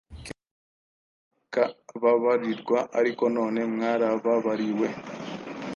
kera ntimurakababarirwa ariko none mwarababariwe.”